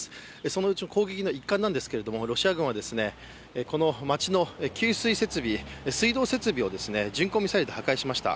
そのうち攻撃の一環なんですけどロシア軍は、この町の給水設備、水道設備を巡航ミサイルで破壊しました。